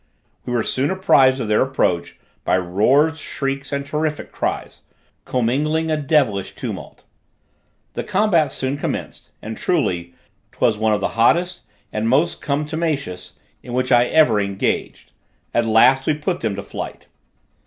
We were soon apprised of their near approach, by roars, shrieks and terrific cries, commingling a devilish tumult. The combat soon commenced, and truly, 'twas one of the hottest and most contumaceous, in which I ever engaged: at last we put them to flight.